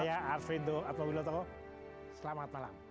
saya arsvindo apa bila tokoh selamat malam